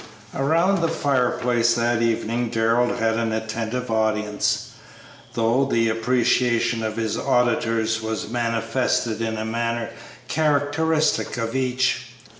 Around the fireside that evening Darrell had an attentive audience, though the appreciation of his auditors was manifested in a manner characteristic of each.